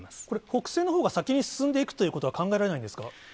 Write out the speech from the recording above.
これ、北西のほうが先に進んでいくということは考えられないんですか？